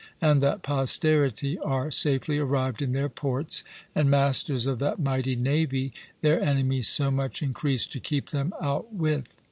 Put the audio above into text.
And that posterity are safely arrived in their ports, and masters of that mighty navy, their enemies so much encreased to keep them out with.